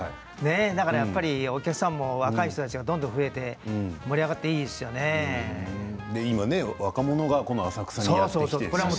だからやっぱりお客さんも若い人たちがどんどん増えて今、若者が浅草にやって来て。